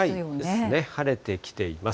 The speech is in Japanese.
ですね、晴れてきています。